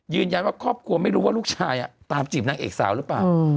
ครอบครัวไม่รู้ว่าลูกชายตามจีบนางเอกสาวหรือเปล่า